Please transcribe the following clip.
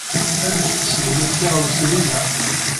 Amek tesnem akk tiɣawsiwin-a?